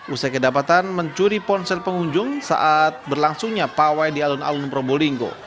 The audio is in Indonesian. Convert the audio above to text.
usai kedapatan mencuri ponsel pengunjung saat berlangsungnya pawai di alun alun probolinggo